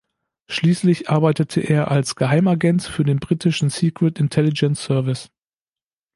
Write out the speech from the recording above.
Schließlich arbeitete er als Geheimagent für den britischen Secret Intelligence Service.